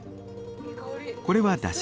これはだし。